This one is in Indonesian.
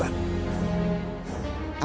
aku ikut bersamanya